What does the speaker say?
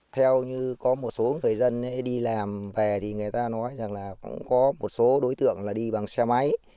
theo như có một số người dân đi làm về thì người ta nói rằng là cũng có một số đối tượng là đi bằng xe máy